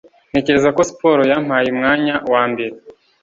Ntekereza ko siporo yampaye umwanya wambere